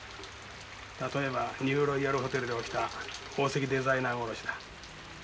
例えばニューロイヤルホテルで起きた宝石デザイナー殺しだ。